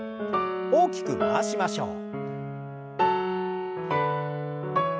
大きく回しましょう。